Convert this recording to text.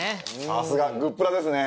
さすがグップラですね。